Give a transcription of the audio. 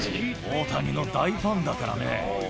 大谷の大ファンだからね。